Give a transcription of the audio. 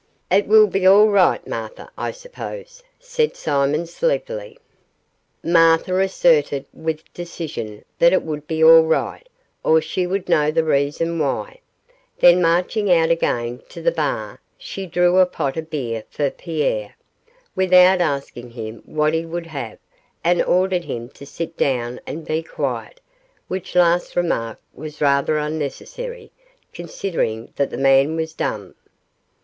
'It will be all right, Martha, I suppose,' said Simon sleepily. Martha asserted with decision that it would be all right, or she would know the reason why; then marching out again to the bar, she drew a pot of beer for Pierre without asking him what he would have and ordered him to sit down and be quiet, which last remark was rather unnecessary, considering that the man was dumb.